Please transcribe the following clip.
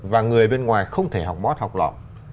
và người bên ngoài không thể học mót học lọ